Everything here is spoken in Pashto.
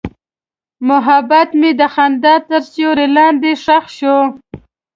محبت مې د خندا تر سیوري لاندې ښخ شو.